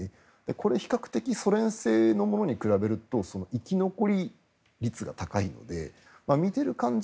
これは比較的ソ連製のものに比べると生き残り率が高いので見てる感じ